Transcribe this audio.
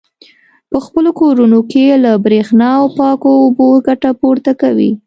په خپلو کورونو کې له برېښنا او پاکو اوبو ګټه پورته کوي.